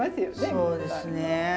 そうですね。